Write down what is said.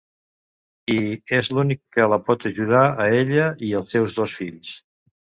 I, és l'únic que la pot ajudar, a ella i els seus dos fills.